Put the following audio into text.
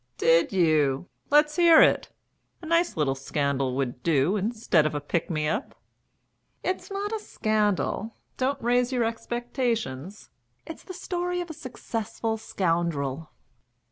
"Did you? Let's hear it. A nice little scandal would do instead of a pick me up." "It's not a scandal. Don't raise your expectations. It's the story of a successful scoundrel."